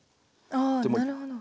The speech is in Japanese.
あなるほど。